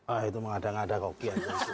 ah itu mengadang adang rocky